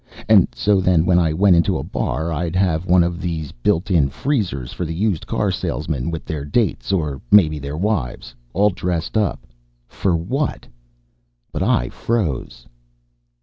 And so then, when I went into a bar, it'd have one of those built in freezers for the used car salesmen with their dates, or maybe their wives, all dressed up. For what? But I froze.